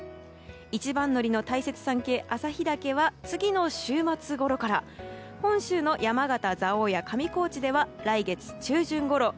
一番乗りの大雪山系旭岳は次の週末ごろから本州の山形・蔵王や上高地では来月中旬ごろ。